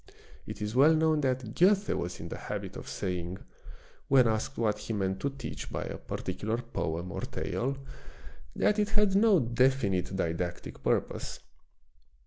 It is well known that Goethe was in the habit of saying, when asked what he meant to teach by a par ticular poem or tale, that it had no definite didactic purpose.